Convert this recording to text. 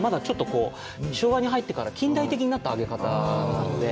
昭和に入ってから近代的になった上げ方なので。